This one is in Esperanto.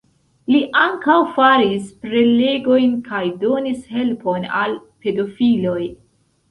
Li ankaŭ faris prelegojn kaj donis helpon al pedofiloj.